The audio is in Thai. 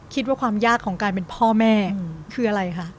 คิดว่าความยากของการเป็นพ่อแม่คืออะไรคะ